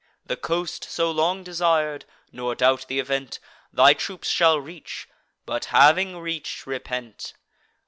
The coast, so long desir'd (nor doubt th' event), Thy troops shall reach, but, having reach'd, repent.